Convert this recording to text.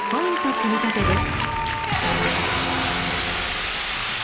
積み立てです。